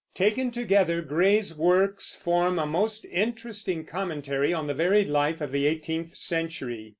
Taken together, Gray's works form a most interesting commentary on the varied life of the eighteenth century.